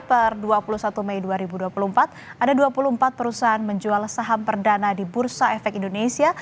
per dua puluh satu mei dua ribu dua puluh empat ada dua puluh empat perusahaan menjual saham perdana di bursa efek indonesia